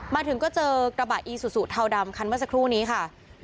มาถึงก็เจอกระบะอีซูซูเทาดำคันเมื่อสักครู่นี้ค่ะ